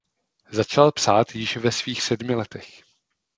Začal psát již ve svých sedmi letech.